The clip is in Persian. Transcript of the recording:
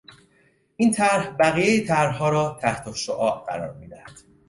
این طرح بقیهی طرحها را تحتالشعاع قرار میدهد.